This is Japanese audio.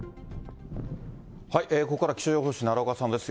ここから気象予報士、奈良岡さんです。